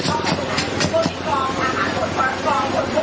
ออกไฟ